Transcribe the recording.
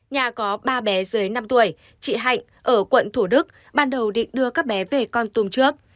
nhà có ba bé dưới năm tuổi chị hạnh ở quận thủ đức ban đầu định đưa các bé về con tùm trước